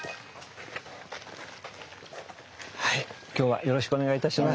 今日はよろしくお願いいたします。